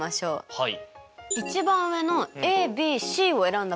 はい。